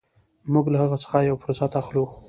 موږ له هغه څخه یو فرصت اخلو.